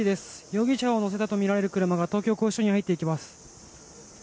容疑者を乗せたとみられる車が東京拘置所に入っていきます。